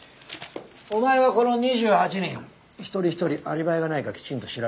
お前はこの２８人一人一人アリバイがないかきちんと調べろよ。